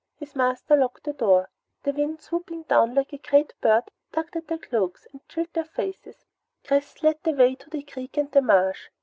His master locked the door. The wind, swooping down like some great bird, tugged at their cloaks and chilled their faces. Chris led the way to the creek and the marsh.